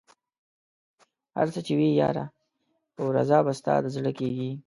هر څه چې وي ياره خو رضا به ستا د زړه کېږي